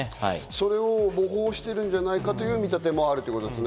それを模倣しているんじゃないかという見立てもあります。